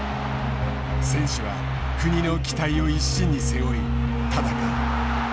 選手は国の期待を一身に背負い戦う。